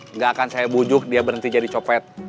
nggak akan saya bujuk dia berhenti jadi copet